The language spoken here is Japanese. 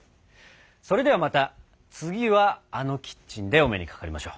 それではまた次はあのキッチンでお目にかかりましょう。